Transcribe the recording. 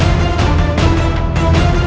aku sudahase foremen